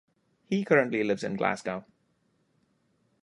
He currently lives in Glasgow.